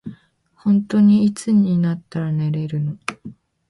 ほんとにいつになったら寝れるの。